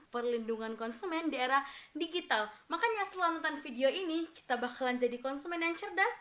perlindungan konsumen di era digital makanya setelah nonton video ini kita bakalan jadi konsumen yang cerdas